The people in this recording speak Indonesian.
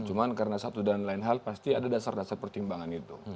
cuma karena satu dan lain hal pasti ada dasar dasar pertimbangan itu